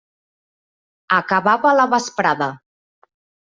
Acabava la vesprada.